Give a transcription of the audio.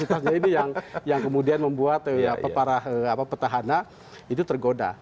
nah ini yang kemudian membuat para petahana itu tergoda